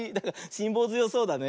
しんぼうづよそうだね。